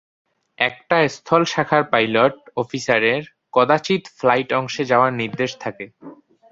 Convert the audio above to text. একটা স্থল শাখার পাইলট অফিসারের কদাচিৎ ফ্লাইট অংশে যাওয়ার নির্দেশ থাকে।